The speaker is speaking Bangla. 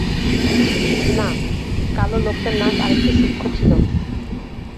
না, কালো লোকটার নাক আরেকটু সুক্ষ্ম ছিল।